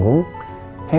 aku mau bantu dia